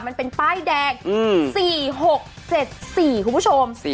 มันเป็นป้ายแดง๔๖๗๔คุณผู้ชม